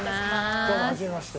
どうもはじめまして。